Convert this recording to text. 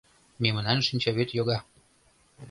Мемнан шинчавӱд йога.